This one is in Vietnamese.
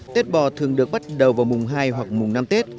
tết bò thường được bắt đầu vào mùng hai